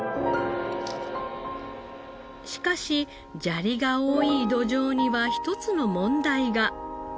しかし砂利が多い土壌には１つの問題が。